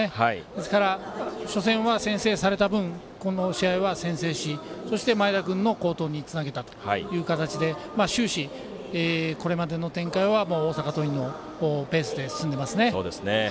ですから、初戦は先制された分この試合は先制しそして、前田君の好投につなげたという形で終始、これまでの展開は大阪桐蔭のペースで進んでますね。